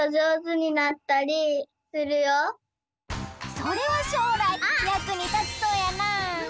それはしょうらいやくにたちそうやな。